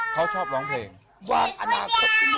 เขาชอบร้องเพลง